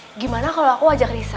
eh gimana kalau aku ajak risa